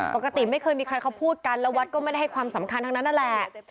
ปกติไม่เคยมีใครเขาพูดกันแล้ววัดก็ไม่ได้ให้ความสำคัญทั้งนั้นนั่นแหละ